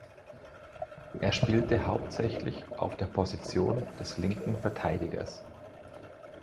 Er spielte hauptsächlich auf der Position des linken Verteidigers.